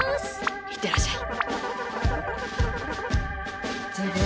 いってらっしゃい。